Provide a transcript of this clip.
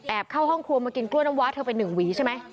แอบเข้าห้องครัวมากินกล้วน้ำวาเธอเป็นหนึ่งหวีใช่ไหม